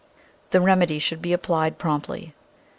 The rem edy should be applied promptly.